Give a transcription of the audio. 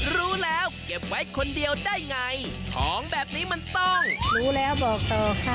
รู้แล้วบอกต่อ